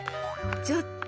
ちょっと。